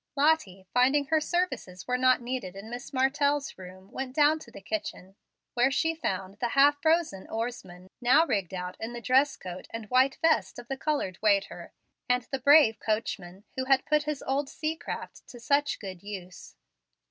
Lottie, finding her services were not needed in Miss Martell's room, went down to the kitchen, where she found the half frozen oarsman now rigged out in the dress coat and white vest of the colored waiter and the brave coachman who had put his old sea craft to such good use.